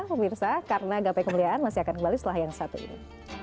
pemirsa karena gapai kemuliaan masih akan kembali setelah yang satu ini